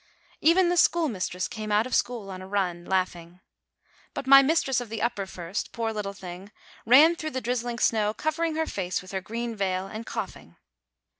Even the schoolmistress came out of school on a run, laughing; but my mistress of the upper first, poor little thing ! ran through the drizzling snow, cover ing her face with her green veil, and coughing.